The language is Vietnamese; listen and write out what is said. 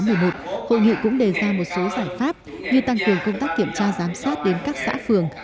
hội nghị cũng đề ra một số giải pháp như tăng cường công tác kiểm tra giám sát đến các xã phường